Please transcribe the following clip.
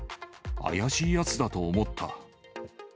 怪しいやつだと思った。